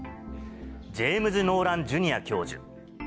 ジェームズ・ノーラン・ジュニア教授。